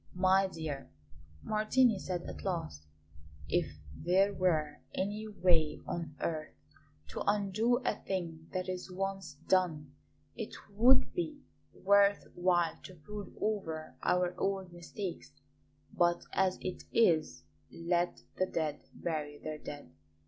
"My dear," Martini said at last; "if there were any way on earth to undo a thing that is once done, it would be worth while to brood over our old mistakes; but as it is, let the dead bury their dead.